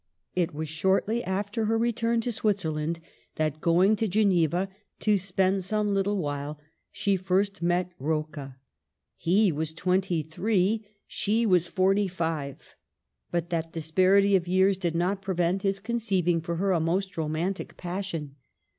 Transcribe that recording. It was shortly after her return to Switzerland that, going to Geneva to spend some little while, she first met Rocca. He was twenty three, she was forty five; but that disparity of years did Digitized by VjOOQIC / 164 MADAME DE STAEVS not prevent his conceiving for her a most roman tic passion.